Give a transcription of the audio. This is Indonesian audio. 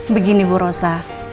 begini bu rosa